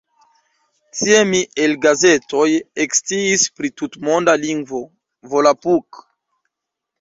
Tie mi el gazetoj eksciis pri tutmonda lingvo "Volapuk".